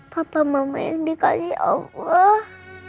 papa mama yang dikasih allah